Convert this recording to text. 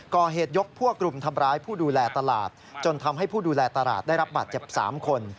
ก่อเหตุยกพวกกลุ่มทำร้ายผู้ดูแลตลาดจนทำให้ผู้ดูแลตลาดได้รับบาดเจ็บ๓คน